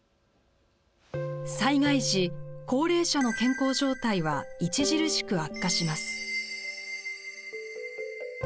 災害時、高齢者の健康状態は著しく悪化します。